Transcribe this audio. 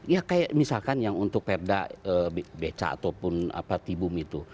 ya kayak misalkan yang untuk perda beca ataupun tibum itu